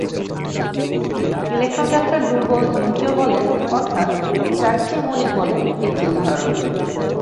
Electron capture দুর্বল নিউক্লিয় বলের অর্থাৎ চারটি মৌলিক বলের একটির উদাহরণ।